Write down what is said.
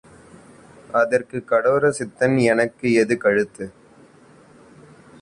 அதற்குக் கடோர சித்தன் எனக்கு எது கழுத்து?